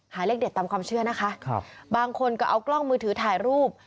เลขเด็ดตามความเชื่อนะคะบางคนก็เอากล้องมือถือถ่ายรูป